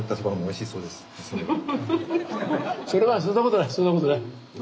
それはそんなことないそんなことない。